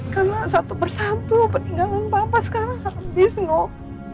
karena satu persatu peringatan papa sekarang habis noh